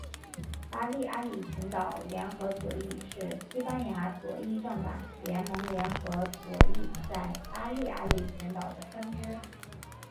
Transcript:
巴利阿里群岛联合左翼是西班牙左翼政党联盟联合左翼在巴利阿里群岛的分支。